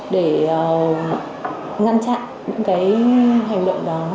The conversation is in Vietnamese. để ngăn chặn những cái hành động đó